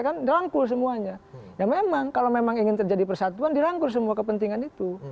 kan dirangkul semuanya ya memang kalau memang ingin terjadi persatuan dirangkul semua kepentingan itu